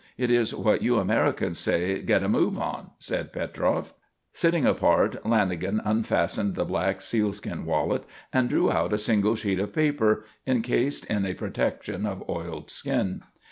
It is what you Americans say, 'get a move on,'" said Petroff. Sitting apart Lanagan unfastened the black sealskin wallet and drew out a single sheet of paper, encased in a protection of oiled skin.